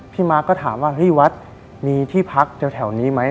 มาร์คก็ถามว่าเฮ้ยวัดมีที่พักแถวนี้ไหม